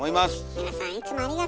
皆さんいつもありがと！